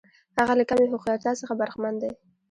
هغه له کمې هوښیارتیا څخه برخمن دی.